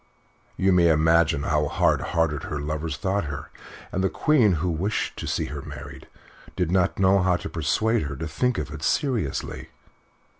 You may imagine how hard hearted her lovers thought her; and the Queen, who wished to see her married, did not know how to persuade her to think of it seriously.